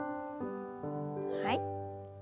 はい。